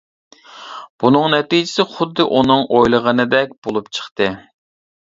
بۇنىڭ نەتىجىسى خۇددى ئۇنىڭ ئويلىغىنىدەك بولۇپ چىقتى.